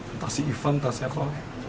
entah si ivan entah si apa lagi